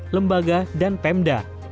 lembaga dan pemda